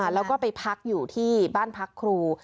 แล้วก็ไปพักอยู่ที่บ้านพักครู